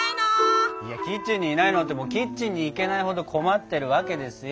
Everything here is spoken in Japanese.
いやキッチンにいないのってキッチンに行けないほど困ってるわけですよ。